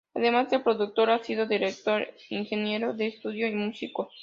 Además de productor, ha sido director, ingeniero de estudio y músico.